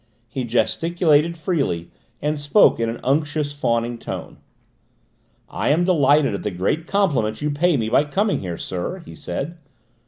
He gesticulated freely and spoke in an unctuous, fawning tone. "I am delighted at the great compliment you pay me by coming here, sir," he said.